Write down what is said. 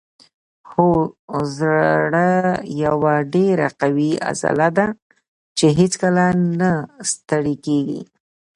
هو زړه یوه ډیره قوي عضله ده چې هیڅکله نه ستړې کیږي